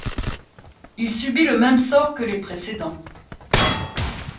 Il subit le même sort que les précédents.